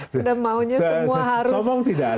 sudah maunya semua harus melakukan sendiri